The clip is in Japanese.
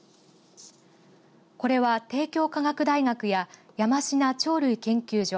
これは帝京科学大学や山階鳥類研究所